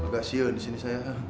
gak sih yuk disini saya